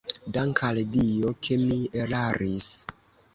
Dank' al Dio, ke mi eraris!